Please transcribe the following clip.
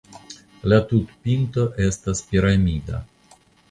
La tutpinto estas piramida.